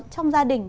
trong gia đình